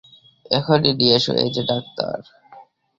এখনই নিয়ে এসো, এই যে ডাক্তার!